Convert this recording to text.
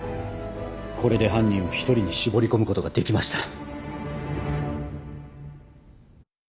これで犯人を１人に絞り込むことができました。